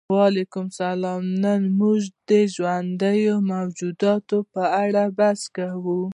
وعلیکم السلام نن موږ د ژوندیو موجوداتو په اړه بحث کوو